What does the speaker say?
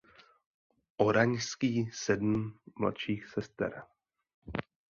Oranžský sedm mladších sester.